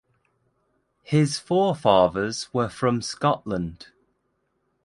His forefathers were from Scotland.